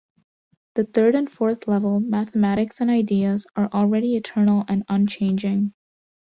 The third and fourth level, mathematics and Ideas, are already eternal and unchanging.